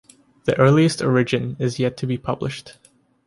The earliest origin is yet to be published.